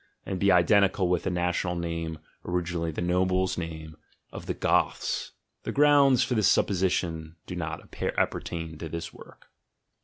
and be identical with the national name (originally the nobles' name) of the Goths? The grounds for this supposition do not appertain to this work.